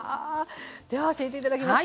では教えて頂きます。